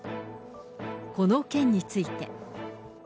この件について。